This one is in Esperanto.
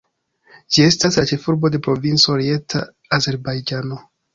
Ĝi estas la ĉefurbo de provinco Orienta Azerbajĝano.